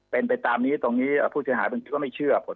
เป็นไปตามนี้ตรงนี้ผู้ช่องหาคิดว่าไม่เชื่อ